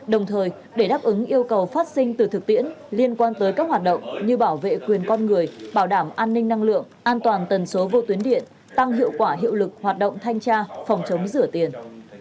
đồng thời để đáp ứng yêu cầu phát sinh từ thực tiễn liên quan tới các hoạt động như bảo vệ quyền con người bảo đảm an ninh năng lượng an toàn tần số vô tuyến điện tăng hiệu quả hiệu lực hoạt động thanh tra phòng chống rửa tiền